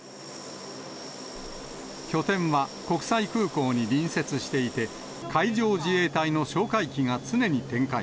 拠点は国際空港に隣接していて、海上自衛隊の哨戒機が常に展開。